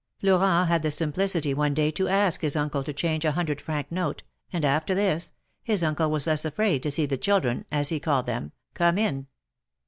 Florent had the simplicity one day to ask his uncle to change a hundred franc note, and after this, his uncle was less afraid to see the children, as he called them, come in.